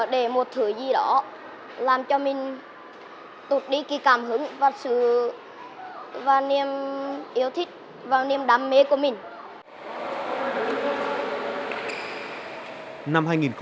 để một thứ gì đó làm cho mình tụt đi cái cảm hứng và sự và niềm yêu thích và niềm đam mê của mình